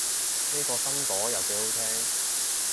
呢個新朵又幾好聽